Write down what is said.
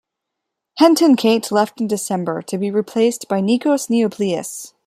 Henk ten Cate left in December to be replaced by Nikos Nioplias.